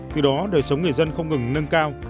từ đó đời sống người dân không ngừng nâng cao